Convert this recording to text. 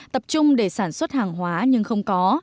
tập trung để sản xuất hàng hóa nhưng không có